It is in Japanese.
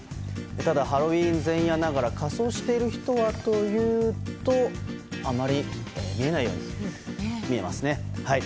ただ、ハロウィーン前夜ながら仮装している人はというとあまり見られないように見えますね。